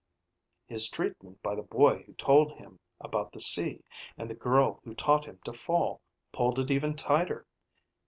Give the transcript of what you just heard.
His treatment by the boy who told him about the sea and the girl who taught him to fall pulled it even tighter.